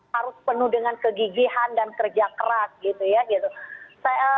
harus penuh dengan kegigihan dan kerja keras gitu ya gitu